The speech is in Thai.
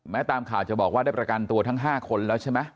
ตามข่าวจะบอกว่าได้ประกันตัวทั้ง๕คนแล้วใช่ไหม